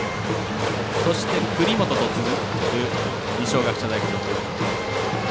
そして、栗本と続く二松学舎大付属。